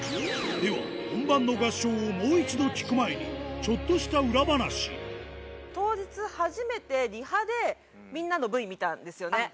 では本番の合唱をもう一度聴く前にちょっとした裏話当日初めてリハでみんなのＶＴＲ見たんですよね